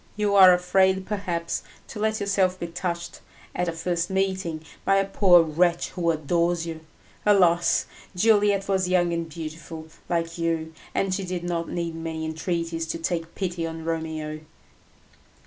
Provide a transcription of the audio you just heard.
You are afraid, perhaps, to let yourself be touched, at a first meeting, by a poor wretch who adores you. Alas! Juliet was young and beautiful like you, and she did not need many entreaties to take pity on Romeo."